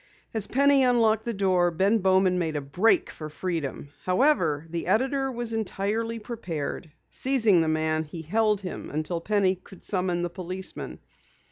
As Penny unlocked the door, Ben Bowman made a break for freedom. However, the editor was entirely prepared. Seizing the man, he held him until Penny could summon the policeman.